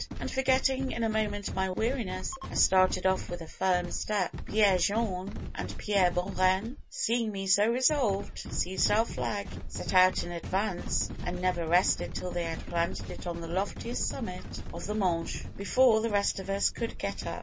And, forgetting in a moment my weariness, I started off with a firm step. Pierre Jaun and Pierre Bohren, seeing me so resolved, seized our flag, set out in advance, and never rested till they had planted it on the loftiest summit of the Mönch, before the rest of us could get up.